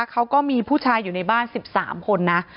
เขาก็มีผู้ชายอยู่ในบ้าน๑๓คนนะ